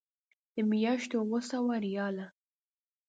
د میاشتې اوه سوه ریاله.